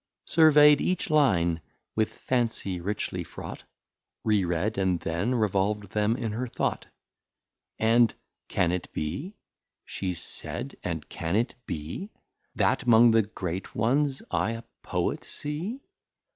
Survey'd each Line with Fancy richly fraught, Re read, and then revolv'd them in her Thought. And can it be? She said, and can it be? That 'mong the Great Ones I a Poet see?